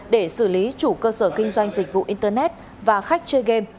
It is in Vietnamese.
để xử lý chủ cơ sở kinh doanh dịch vụ internet và khách chơi game